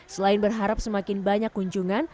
selain berharap semakin banyak kunjungan